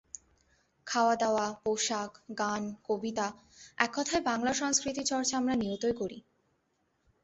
খাওয়াদাওয়া, পোশাক, গান, কবিতা এককথায় বাংলা সংস্কৃতির চর্চা আমরা নিয়তই করি।